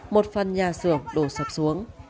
một phần nhà xưởng đổ sập xuống